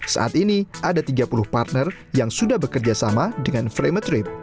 saat ini ada tiga puluh partner yang sudah bekerja sama dengan frame a trip